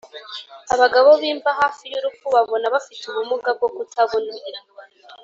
abagabo b'imva, hafi y'urupfu, babona bafite ubumuga bwo kutabona